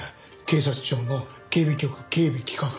警察庁の警備局警備企画課。